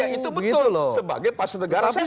itu betul sebagai pasir negara saya sudah